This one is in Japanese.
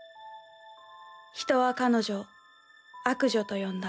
人は彼女を悪女と呼んだ。